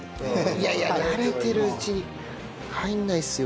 いやいや慣れてるうちに入らないですよ。